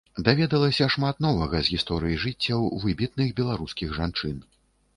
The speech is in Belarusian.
Даведалася шмат новага з гісторыі жыццяў выбітных беларускіх жанчын.